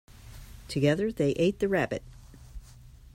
Together they ate the rabbit.